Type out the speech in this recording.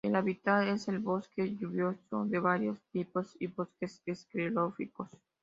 El hábitat es el bosque lluvioso de varios tipos y bosques esclerófilos.